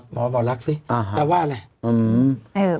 หมอบอกรักสิแปลว่าอะไร